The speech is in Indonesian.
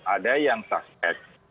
ada yang suspect